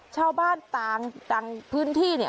ชาวบ้านต่างพื้นที่เนี่ย